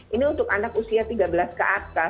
ini untuk anak usia tiga belas ke atas